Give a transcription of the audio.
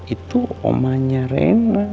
itu omanya rena